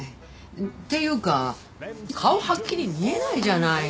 っていうか顔はっきり見えないじゃないの。